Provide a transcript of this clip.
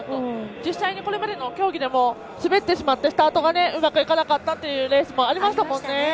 実際にこれまでの競技でも滑ってしまってスタートがうまくいかなかったレースもありましたもんね。